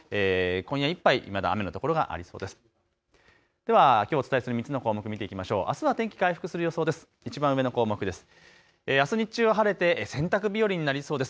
今夜いっぱいまだ雨の所がありそうです。